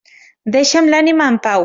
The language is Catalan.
Deixa'm l'ànima en pau.